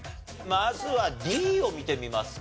まずはＤを見てみますかね。